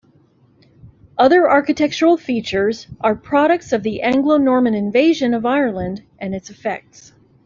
Other architectural features are products of the Anglo-Norman Invasion of Ireland and its effects.